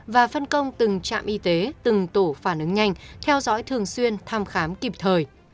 và phân công từng trạm y tế từng tổ phản ứng nhanh theo dõi thường xuyên thăm khám kịp thời